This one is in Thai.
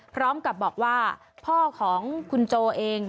พร้อมกับบอกว่าพ่อของคุณโจเอง